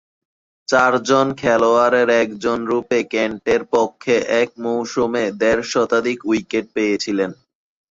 চারজন খেলোয়াড়ের একজনরূপে কেন্টের পক্ষে এক মৌসুমে দেড় শতাধিক উইকেট পেয়েছিলেন।